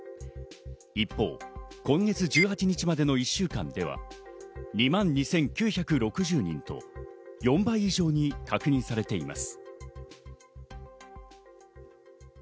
一方、今月１８日までの１週間では２万２９６０人と４倍以上に確認されています。